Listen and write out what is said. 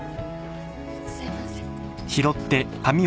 すいません。